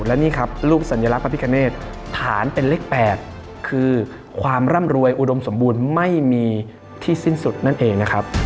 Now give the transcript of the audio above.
และนี่ครับรูปสัญลักษณ์พระพิกเนธฐานเป็นเลข๘คือความร่ำรวยอุดมสมบูรณ์ไม่มีที่สิ้นสุดนั่นเองนะครับ